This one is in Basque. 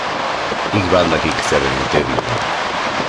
Hik ba al dakik zer den integrismoa?